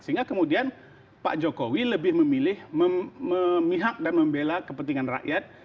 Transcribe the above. sehingga kemudian pak jokowi lebih memilih memihak dan membela kepentingan rakyat